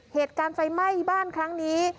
เหตุการณ์ไฟไหม้บ้านครั้งนี้